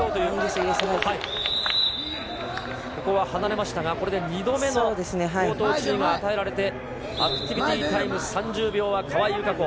ここは離れましたが２度目の口頭注意が与えられてアクティビティタイム３０秒は川井友香子。